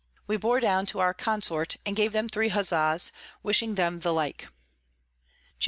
We bore down to our Consort, and gave them three Huzza's, wishing them the like. _Jan.